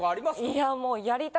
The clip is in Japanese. いやもう。